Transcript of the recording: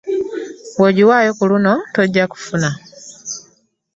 Bw'onjiwayo ku luno tojja kunfuna.